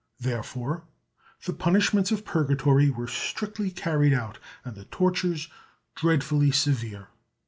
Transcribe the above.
Therefore the punishments of Purgatory were strictly carried out and the tortures dreadfully severe.